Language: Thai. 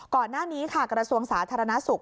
ก่อนหน้านี้ค่ะกระทรวงสาธารณสุข